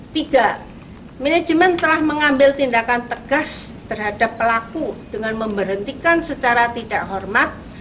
tiga manajemen telah mengambil tindakan tegas terhadap pelaku dengan memberhentikan secara tidak hormat